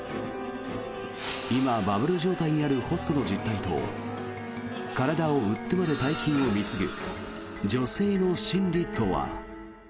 今、バブル状態にあるホストの実態と体を売ってまで大金を貢ぐ女性の心理とは。